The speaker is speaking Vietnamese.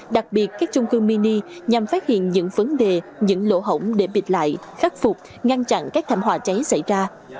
đặc biệt các chung cư mini nhằm phát hiện những vấn đề những lỗ hổng để bịt lại khắc phục ngăn chặn các thảm họa cháy xảy ra